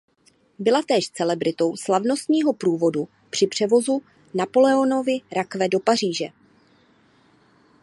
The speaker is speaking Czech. Byl též celebritou slavnostního průvodu při převozu Napoleonovy rakve do Paříže.